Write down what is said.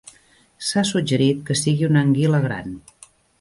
S'ha suggerit que sigui una anguila gran.